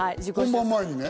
本番前にね。